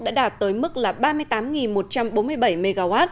đã đạt tới mức là ba mươi tám một trăm bốn mươi bảy mw